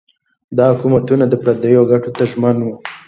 دا حکومتونه د پردیو ګټو ته ژمن وو.